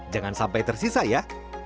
jangan sampai tersisa ya